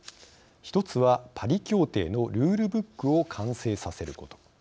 １つはパリ協定のルールブックを完成させること。